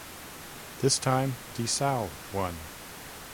This time DiSalle won.